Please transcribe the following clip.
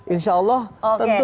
insya allah tentu